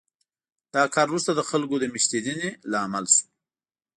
دا کار وروسته د خلکو د مېشتېدنې لامل شو